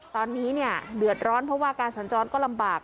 ตอนนี้เนี่ยเดือดร้อนเพราะว่าการสัญจรก็ลำบาก